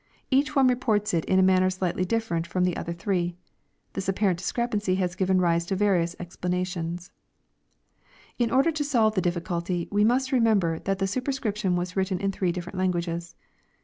Each one reports it in a manner slightly different from the other three. This apparent discrepancy has^ven rise to various explanations. In order to solve the difficulty, we must remember that the su perscription was written in three different languages.